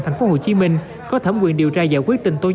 thưa quý vị